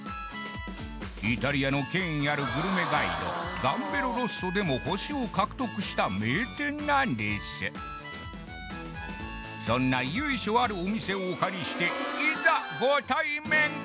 イタリアの権威あるグルメガイドガンベロ・ロッソでも星を獲得した名店なんですそんな由緒あるお店をお借りしていざご対面！